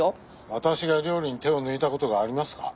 私が料理に手を抜いたことがありますか？